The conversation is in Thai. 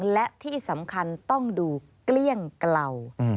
และที่สำคัญต้องดูเกลี้ยงเกลา